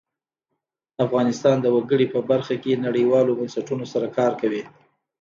افغانستان د وګړي په برخه کې نړیوالو بنسټونو سره کار کوي.